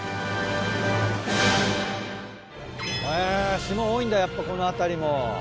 へぇ島多いんだやっぱこの辺りも。